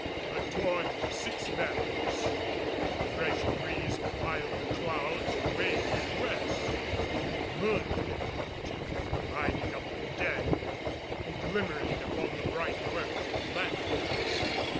But toward six bells the fresh breeze piled the clouds away to the west and the moon came out, lighting up the deck and glimmering upon the bright work of the lanterns.